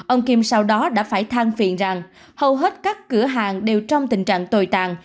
ông kim sau đó đã phải thang phiền rằng hầu hết các cửa hàng đều trong tình trạng tồi tàn